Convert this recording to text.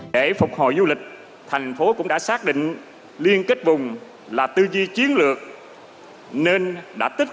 để phục hồi du lịch thành phố cũng đã xác định liên kết vùng là tư duy chiến lược